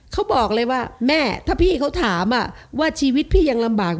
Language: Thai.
เขาบอกเลยว่าแม่ถ้าพี่เขาถามว่าชีวิตพี่ยังลำบาก